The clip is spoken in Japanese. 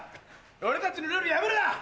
俺たちのルール破るな！